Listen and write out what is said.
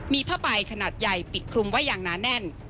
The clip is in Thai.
มีผ้าใบขนาดใหญ่ปิดคลุมไว้อย่างหนาแน่น